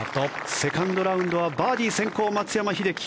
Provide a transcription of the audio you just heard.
セカンドラウンドはバーディー先行、松山英樹。